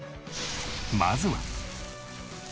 まずは。